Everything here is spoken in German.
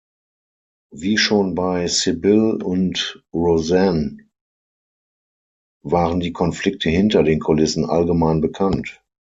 Wie schon bei Cybill und Roseanne waren die Konflikte hinter den Kulissen allgemein bekannt.